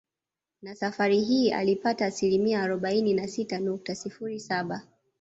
Na safari hii alipata asilimia arobaini na sita nukta sifuri saba